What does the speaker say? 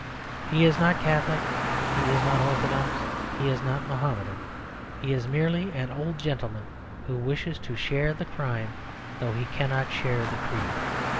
He is not Catholic, he is not Orthodox, he is not Mahomedan. He is merely an old gentleman who wishes to share the crime though he cannot share the creed.